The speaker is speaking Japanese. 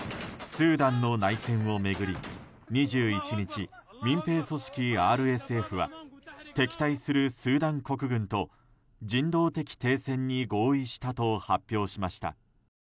スーダンの内戦を巡り２１日、民兵組織ＲＳＦは敵対するスーダン国軍と人道的停戦に合意したと発表しました。